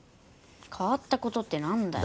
変わった事ってなんだよ。